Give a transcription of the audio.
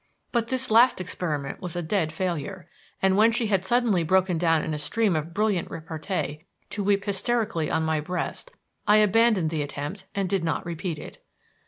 But this last experiment was a dead failure; and when she had suddenly broken down in a stream of brilliant repartee to weep hysterically on my breast, I abandoned the attempt and did not repeat it.